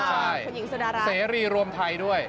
คุณหญิงสุดรับศรีรีรวมไทยด้วย